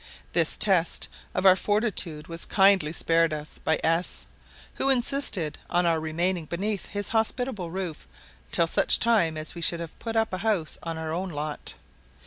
This test of our fortitude was kindly spared us by S , who insisted on our remaining beneath his hospitable roof till such time as we should have put up a house on our own lot.